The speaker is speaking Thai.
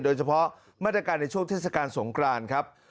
โดยเฉพาะมาตรการในช่วงเทศกาลสงครานครับ